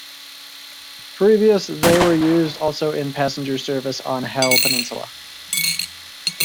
Previous they were used also in passenger service on Hel Peninsula.